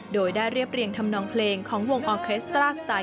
โดยได้เรียบเรียงทำนองเพลงของวงออเครสตราสไตล์